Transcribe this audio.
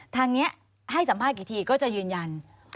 ทางนี้ให้สัมภาษณ์กี่ทีก็จะยืนยัน